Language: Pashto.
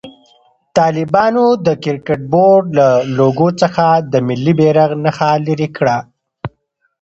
طالبانو د کرکټ بورډ له لوګو څخه د ملي بيرغ نښه لېري کړه.